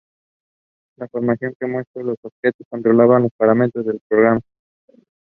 The company also toured to Quebec.